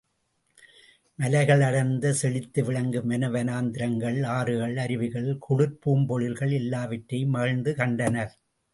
மலைகள் அடர்ந்து செழித்து விளங்கும் வன வனாந்தரங்கள், ஆறுகள், அருவிகள், குளிர்பூம்பொழில்கள் எல்லாவற்றையும் மகிழ்ந்து கண்டனர்.